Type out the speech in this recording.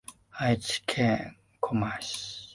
愛知県小牧市